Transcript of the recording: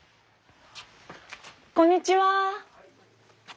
こんにちは。